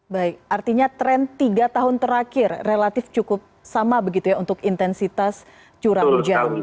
baik artinya tren tiga tahun terakhir relatif cukup sama begitu ya untuk intensitas curah hujan